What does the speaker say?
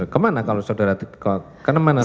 kemana kalau saudara karena mana saudara